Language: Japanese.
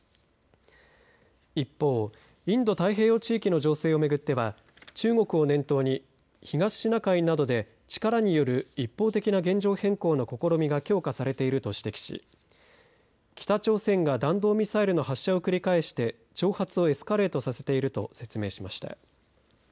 一方インド太平洋地域の情勢を巡っては中国を念頭に東シナ海などで力による一方的な現状変更の試みが強化されていると指摘し北朝鮮が弾道ミサイルの発射を繰り返して挑発をエスカレートさせていると説明しました。